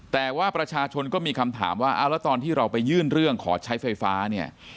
แต่ว่าประชาชนก็มีคำถามว่าเอาแล้วตอนที่เราไปยื่นเรื่องขอใช้ไฟฟ้าเนี่ย